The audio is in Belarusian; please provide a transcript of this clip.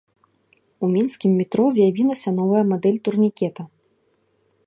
У мінскім метро з'явілася новая мадэль турнікета.